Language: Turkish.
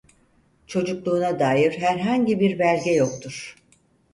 Çocukluğuna dair herhangi bir belge yoktur.